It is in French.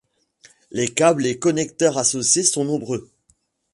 Les câbles et connecteurs associés sont nombreux.